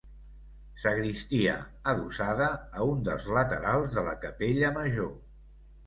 Sagristia, adossada a un dels laterals de la capella major.